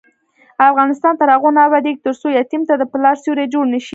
افغانستان تر هغو نه ابادیږي، ترڅو یتیم ته د پلار سیوری جوړ نشي.